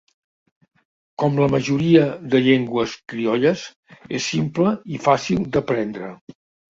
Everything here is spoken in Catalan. Com la majoria de llengües criolles és simple i fàcil d'aprendre.